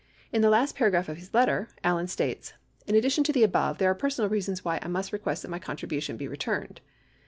In the last paragraph of Lis letter Allen states : "In addi tion to the above, there are personal reasons why I must request that my contribution be returned."